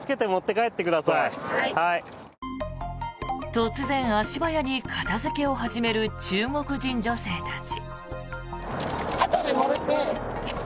突然、足早に片付けを始める中国人女性たち。